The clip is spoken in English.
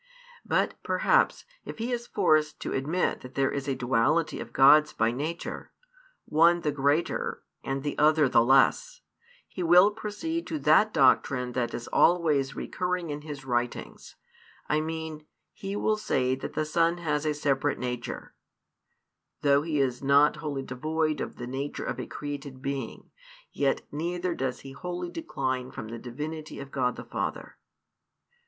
But, perhaps, if he is forced to admit that there is a duality of Gods by nature, one the greater and the other the less, he will proceed to that doctrine that is always recurring in his writings; I mean, he will say that the Son has a separate nature though He is not wholly devoid of the nature of a created being, yet neither does He wholly decline from the Divinity of God the Father.